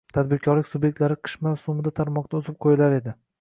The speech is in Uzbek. Tadbirkorlik subyektlari qish mavsumida tarmoqdan uzib qoʻyilar edi.